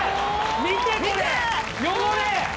見てこれ汚れ！